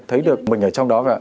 thấy được mình ở trong đó